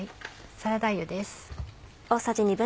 サラダ油です。